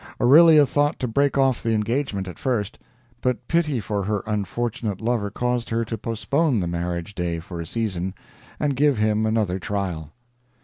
Aurelia thought to break off the engagement at first, but pity for her unfortunate lover caused her to postpone the marriage day for a season, and give him another trial.